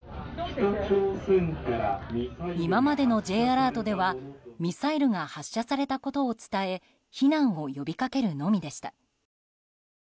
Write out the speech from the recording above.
今までのＪアラートではミサイルが発射されたことを伝え避難を呼びかけるのみでした。